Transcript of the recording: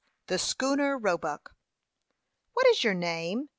THE SCHOONER ROEBUCK. "What is your name?"